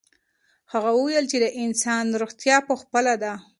هغه وویل چې د انسان روغتیا په خپله ده.